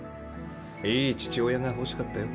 いい父親が欲しかったよ